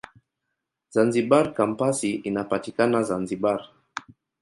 Zanzibar Kampasi inapatikana Zanzibar.